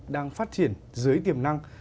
đang phát triển dưới tiềm năng